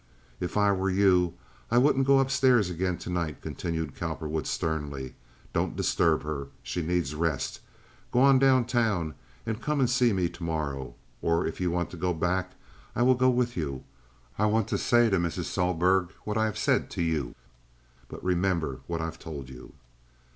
"If I were you I wouldn't go up stairs again to night," continued Cowperwood, sternly. "Don't disturb her. She needs rest. Go on down town and come and see me to morrow—or if you want to go back I will go with you. I want to say to Mrs. Sohlberg what I have said to you. But remember what I've told you."